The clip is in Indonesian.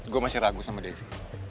gue masih ragu sama devi